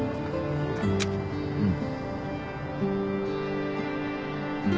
うん。